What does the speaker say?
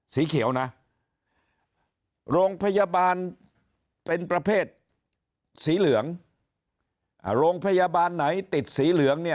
สีเขียวนะโรงพยาบาลเป็นประเภทสีเหลืองโรงพยาบาลไหนติดสีเหลืองเนี่ย